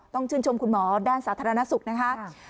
ต้องชื่นชมคุณหมอด้านสาธารณสุขนะคะ